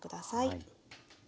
はい。